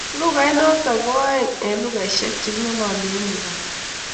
Lugait noto ko aeng eng lugaishek chekigiloli eng Uganda.